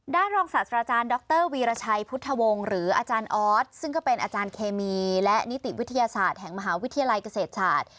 รองศาสตราจารย์ดรวีรชัยพุทธวงศ์หรืออาจารย์ออสซึ่งก็เป็นอาจารย์เคมีและนิติวิทยาศาสตร์แห่งมหาวิทยาลัยเกษตรศาสตร์